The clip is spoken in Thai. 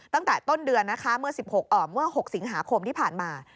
ตั้งแต่ต้นเดือนนะคะเมื่อ๖สิงหาคมที่ผ่านมา